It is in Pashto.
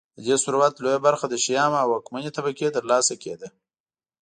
د دې ثروت لویه برخه د شیام او واکمنې طبقې ترلاسه کېده